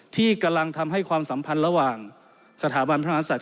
ที่กำลังทำให้ความสัมพันธ์ระหว่างสถาบันพระมหาศัตริย